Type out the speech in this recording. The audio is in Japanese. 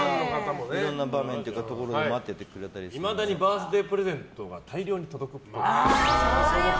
いろんな場面でいまだにバースデープレゼントが大量に届くっぽい。